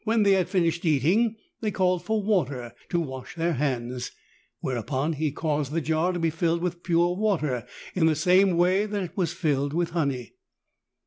103 they had finished eating they ealled for water to wash their hands, whereupon he eaused the jar to be filled with pure water in the same way that it was filled with honey.